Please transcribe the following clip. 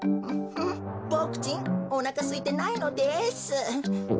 うボクちんおなかすいてないのです。